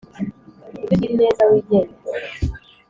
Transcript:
ujye ugira ineza wigendere